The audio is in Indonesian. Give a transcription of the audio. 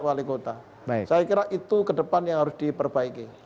wali kota saya kira itu ke depan yang harus diperbaiki